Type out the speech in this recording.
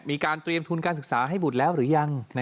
มีการเตรียมทุนการศึกษาให้บุตรแล้วหรือยัง